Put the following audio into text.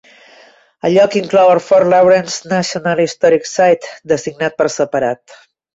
El lloc inclou el Fort Lawrence National Historic Site, designat per separat.